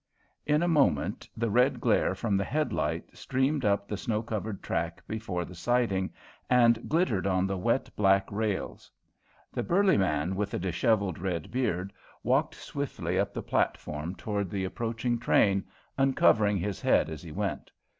In a moment the red glare from the headlight streamed up the snow covered track before the siding and glittered on the wet, black rails. The burly man with the dishevelled red beard walked swiftly up the platform toward the approaching train, uncovering his head as he went.